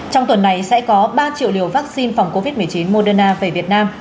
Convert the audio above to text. trong tuần này sẽ có ba triệu liều vaccine phòng covid một mươi chín moderna về việt nam